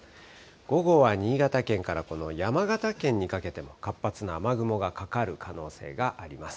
午後は新潟県からこの山形県にかけても、活発な雨雲がかかる可能性があります。